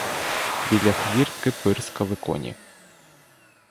Біля хвіртки пирскали коні.